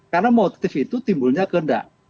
karena motif itu timbulnya gendak